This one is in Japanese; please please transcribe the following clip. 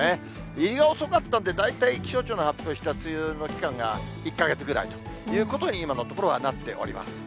入りが遅かったんで、大体、気象庁の発表した梅雨の期間が１か月ぐらいということに今のところはなっております。